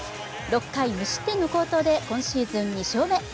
６回無失点の好投で今シーズン２勝目。